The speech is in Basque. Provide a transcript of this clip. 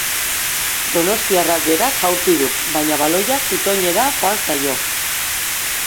Donostiarrak berak jaurti du, baina baloia zutoinera joan zaio.